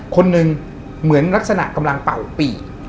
คนหนึ่งเหมือนลักษณะกำลังเป่าปีก